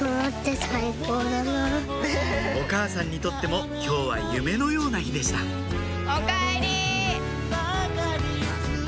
お母さんにとっても今日は夢のような日でしたおかえり。